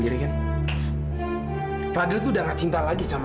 karena kita dulu rindukan semua orang di indonesia